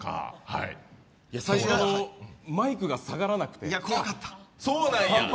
最初、マイクが下がらなくて。